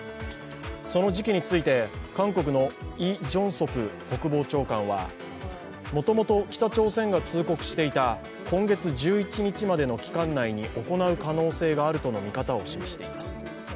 その時期について、韓国のイ・ジョンソプ国防長官はもともと、北朝鮮が通告していた今月１１日までの期間内に行う可能性があるとの見方を示しています。